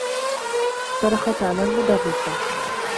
صرخت على المدرّسة.